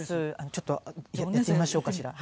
ちょっとやってみましょうかしら。